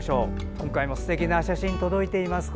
今回もすてきな写真が届いています。